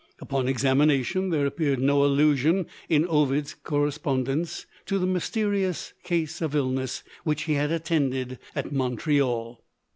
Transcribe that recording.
Upon examination, there appeared no allusion in Ovid's correspondence to the mysterious case of illness which he had attended at Montreal.